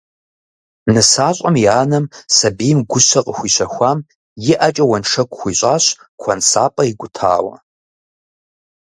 Нысащӏэм и анэм, сэбийм гущэ къыхуищэхуам, и ӏэкӏэ уэншэку хуищӏащ куэнсапӏэ икӏутауэ.